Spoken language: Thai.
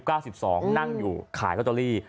อายุ๙๒นั่งอยู่ขายกัตเตอรี่